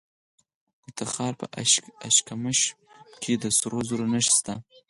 د تخار په اشکمش کې د سرو زرو نښې شته.